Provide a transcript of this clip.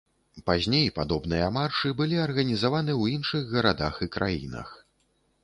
Пазней падобныя маршы былі арганізаваны ў іншых гарадах і краінах.